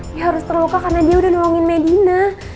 dia harus terluka karena dia udah nolongin medina